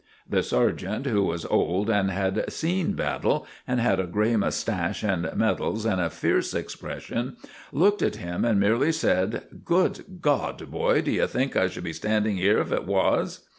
The sergeant, who was old and had seen battle, and had a grey moustache and medals and a fierce expression, looked at him and merely said, "Good God, boy, d'you think I should be standing here if it was?"